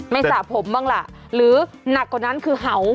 สระผมบ้างล่ะหรือหนักกว่านั้นคือเห่า